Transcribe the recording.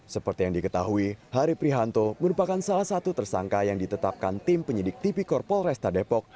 seperti yang diketahui hari prihanto merupakan salah satu tersangka yang ditetapkan tim penyidik tipikor polresta depok